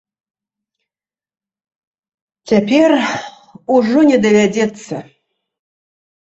Цяпер ужо не давядзецца.